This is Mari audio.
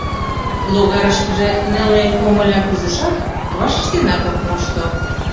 Логарышкыже неле комыля кӱзышат, вашештенат ок мошто.